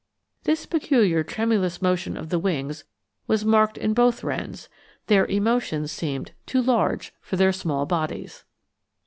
This peculiar tremulous motion of the wings was marked in both wrens; their emotions seemed too large for their small bodies.